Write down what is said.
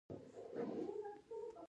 د بدن باچا زړه دی.